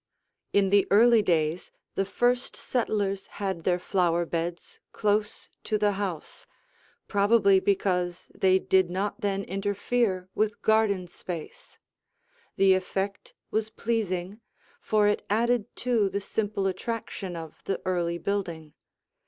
In the early days, the first settlers had their flower beds close to the house, probably because they did not then interfere with garden space. The effect was pleasing, for it added to the simple attraction of the early building.